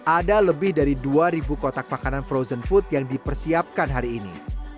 ada lebih dari dua kotak makanan frozen food yang dipersiapkan hari ini